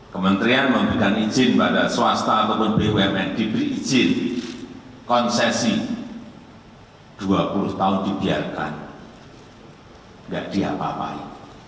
kementerian memberikan izin pada swasta ataupun bumn diberi izin konsesi dua puluh tahun dibiarkan nggak diapa apain